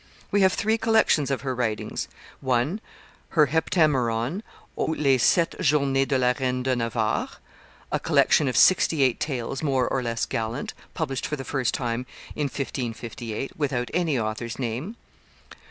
We have three collections of her writings: 1. her Heptameron, ou les Sept Journees de la Reine de Navarre, a collection of sixty eight tales more or less gallant, published for the first time in 1558, without any author's name; 2.